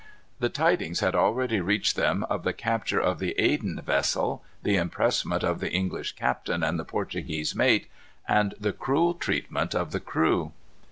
The tidings had already reached them of the capture of the Aden vessel, the impressment of the English captain and the Portuguese mate, and the cruel treatment of the crew.